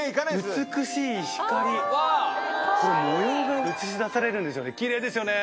美しい光模様が映し出されるんですよね